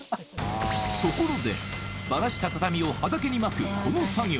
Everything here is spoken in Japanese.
ところでバラした畳を畑にまくこの作業